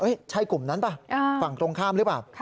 ใช่กลุ่มนั้นป่ะฝั่งตรงข้ามหรือเปล่า